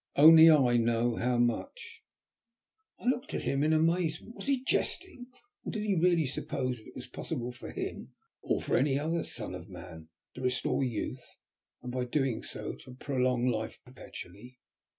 Only I know how much!" I looked at him in amazement. Was he jesting, or did he really suppose that it was possible for him, or any other son of man, to restore youth, and by so doing to prolong life perpetually?